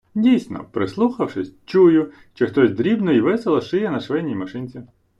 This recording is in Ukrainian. Дійсно, прислухавшись, чую, що хтось дрібно й весело шиє на швейній машинці.